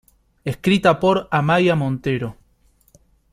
Escrita por Amaia Montero.